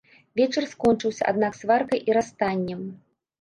Вечар скончыўся, аднак, сваркай і расстаннем.